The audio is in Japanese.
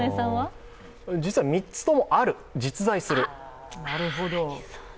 実は３つともある、実在する。